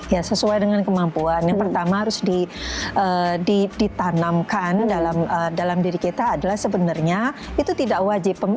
ya sesuai dengan kemampuan yang pertama harus ditanamkan dalam diri kita adalah sebenarnya itu tidak wajib